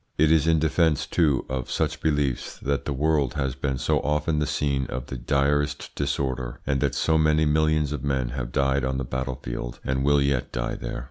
It is in defence, too, of such beliefs that the world has been so often the scene of the direst disorder, and that so many millions of men have died on the battlefield, and will yet die there.